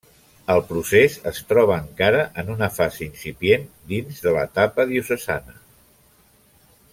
El procés es troba encara en una fase incipient dins de l'etapa diocesana.